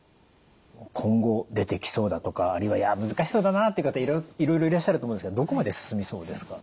今後出てきそうだとかあるいはいや難しそうだなという方いろいろいらっしゃると思うんですけどどこまで進みそうですか？